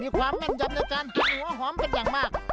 ความแม่นยำในการกินหัวหอมเป็นอย่างมาก